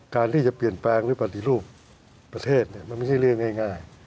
การที่จะเปลี่ยนแปลงหรือปฏิรูปประเทศมันไม่ใช่เรื่องง่าย